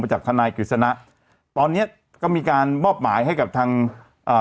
จากทนายกฤษณะตอนเนี้ยก็มีการมอบหมายให้กับทางอ่า